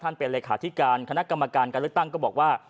เป็นเลขาธิการคณะกรรมการการเลือกตั้งก็บอกว่า